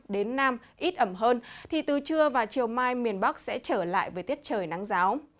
đến nam ít ẩm hơn thì từ trưa và chiều mai miền bắc sẽ trở lại với tiết trời nắng giáo